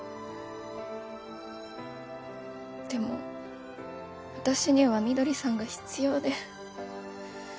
でも私には翠さんが必要で。